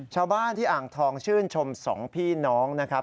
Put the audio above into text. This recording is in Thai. ชาวบ้านที่อ่างทองชื่นชม๒พี่น้องนะครับ